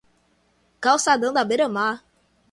calçadão da beira mar